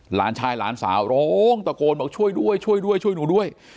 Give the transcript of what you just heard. หลานชายหลานสาวร้องตะโกนบอกช่วยด้วยช่วยด้วยช่วยหนูด้วย